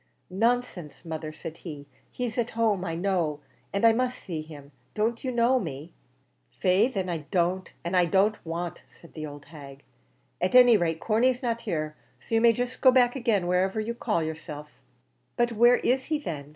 "Nonsense, mother," said he; "he's at home I know, and I must see him. Don't you know me?" "Faix, then, I don't and I don't want," said the old hag. "At any rate, Corney's not here; so you may jist go back agin, whoever you call yerself." "But where is he, then?